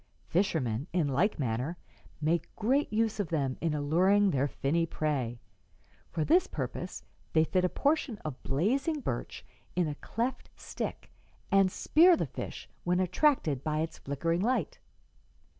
Fishermen, in like manner, make great use of them in alluring their finny prey. For this purpose they fit a portion of blazing birch in a cleft stick and spear the fish when attracted by its flickering light.'"